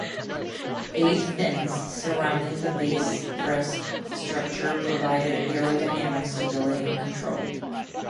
Eight fins surrounding the base thrust structure provided aerodynamic stability and control.